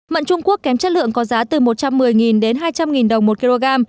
mận trung quốc kém chất lượng có giá từ một trăm một mươi đến hai trăm linh đồng một kg